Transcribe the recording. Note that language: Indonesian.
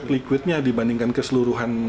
berarti sebagiannya dibandingkan keseluruhan